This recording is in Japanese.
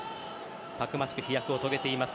たくましく飛躍を遂げています